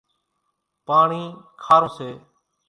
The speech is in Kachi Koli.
پاڻِي کارون سي۔